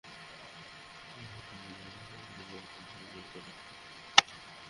হামলার শিকার হওয়া ভাঙা গাড়িতে চড়েই গতকালের গণসংযোগে অংশ নেন তিনি।